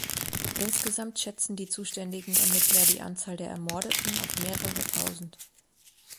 Insgesamt schätzen die zuständigen Ermittler die Anzahl der Ermordeten auf mehrere tausend.